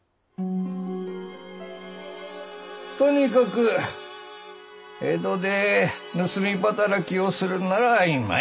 とにかく江戸で盗み働きをするなら今や。